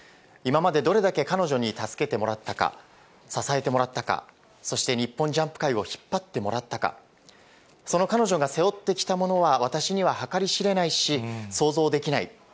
今までどれだけ彼女に助けてもらったか、支えてもらったか、そして日本ジャンプ界を引っ張ってもらったか、その彼女が背負ってきたものは私には計り知れないし想像できない。